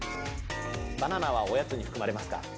バナナはおやつに含まれますか。